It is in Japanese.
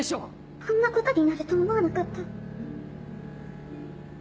こんなことになると思わなかった。